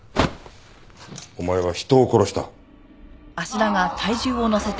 お前は人を殺した。